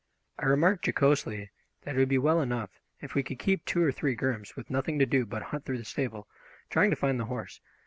I remarked jocosely that it would be well enough, if we could keep two or three grooms with nothing to do but hunt through the stable, trying to find the horse.